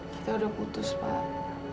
kita udah putus pak